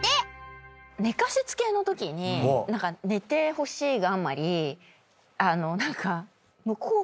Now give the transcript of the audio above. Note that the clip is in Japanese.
寝かしつけのときに寝てほしいがあまりあの何か。